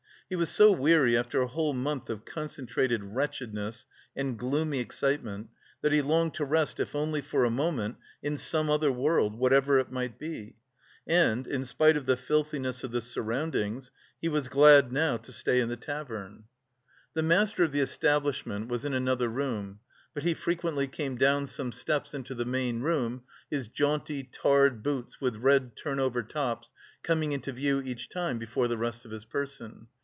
He was so weary after a whole month of concentrated wretchedness and gloomy excitement that he longed to rest, if only for a moment, in some other world, whatever it might be; and, in spite of the filthiness of the surroundings, he was glad now to stay in the tavern. The master of the establishment was in another room, but he frequently came down some steps into the main room, his jaunty, tarred boots with red turn over tops coming into view each time before the rest of his person.